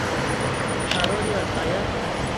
تاروڙيئان ٺاهيان